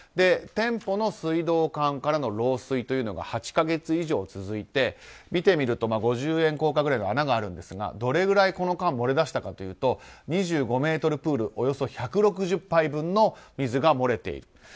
店舗の水道管からの漏水が８か月以上続いて、見てみると五十円硬貨ぐらいの穴があるんですがどれぐらいこの間漏れ出したかというと２５ｍプールおよそ１６０杯分の水が漏れている。